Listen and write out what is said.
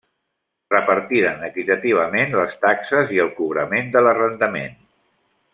Repartiren equitativament les taxes i el cobrament de l'arrendament.